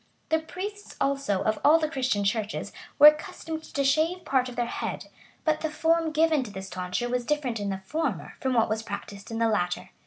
The priests also of all the Christian churches were accustomed to shave part of their head; but the form given to this tonsure was different in the former from what was practised in the latter.